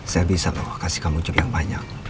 saya bisa mama kasih kamu job yang banyak